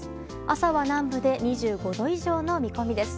朝は南部で２５度以上の見込みです。